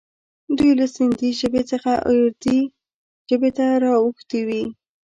دوی له سیندي ژبې څخه اردي ژبې ته را اوښتي وي.